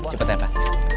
cepet ya pak